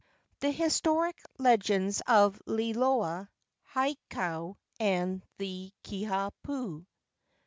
THE HISTORIC LEGENDS OF LILOA, HAKAU, AND THE "KIHA PU."